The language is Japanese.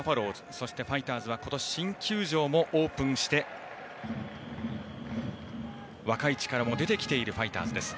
そしてファイターズは今年、新球場もオープンして若い力も出てきているファイターズです。